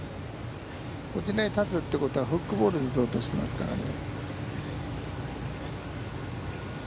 こちらに立つということはフックボールにしようとしてますからね。